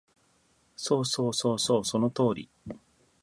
そうそうそうそう、その通り